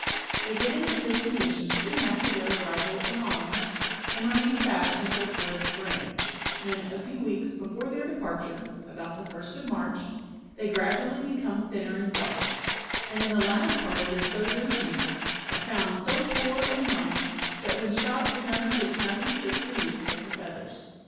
They get into good condition soon after their arrival in autumn, and remain fat until toward spring, when, a few weeks before their departure (about the first of March), they gradually become thinner in flesh; and in the latter part of their sojourn here, are found so poor and light, that when shot the gunner gets nothing fit for use but the feathers.